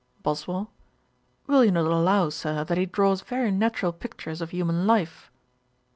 BOSWELL. 'Will you not allow, Sir, that he draws very natural pictures of human life?'